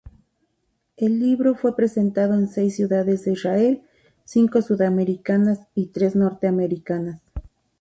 El libro fue presentado en seis ciudades de Israel, cinco sudamericanas y tres norteamericanas.